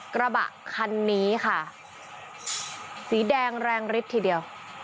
กระบะคันนี้ค่ะสีแดงแรงฤทธิ์ทีเดียว